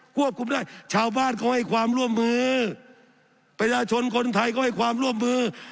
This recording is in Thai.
ควบคุมได้ชาวบ้านเขาให้ความร่วมมือประชาชนคนไทยก็ให้ความร่วมมือ